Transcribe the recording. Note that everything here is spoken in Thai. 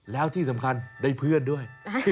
แล้วที่สำคัญได้เพื่อนด้วย